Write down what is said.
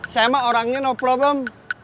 saya mah orangnya no problem